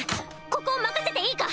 ここ任せていいか？